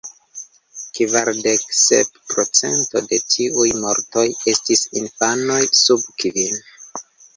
Kvardek sep procento de tiuj mortoj estis infanoj sub kvin.